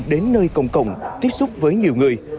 đến nơi cộng cộng tiếp xúc với nhiều người